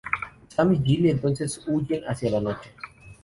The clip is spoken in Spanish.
Sam y Gilly entonces huyen hacia la noche.